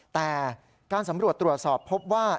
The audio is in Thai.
แต่การสำรวจตรวจสอบพบว่า